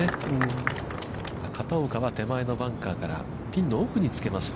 片岡は手前のバンカーからピンの奥につけました。